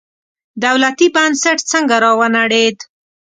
دولتي بنسټ څنګه راونړېد.